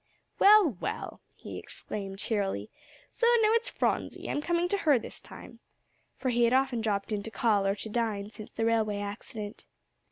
"Well, well!" he exclaimed cheerily, "so now it's Phronsie; I'm coming to her this time," for he had often dropped in to call or to dine since the railway accident.